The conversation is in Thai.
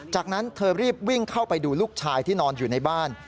จากนั้นเธอรีบวิ่งเข้าไปดูลูกชายที่นอนอยู่ในบ้าน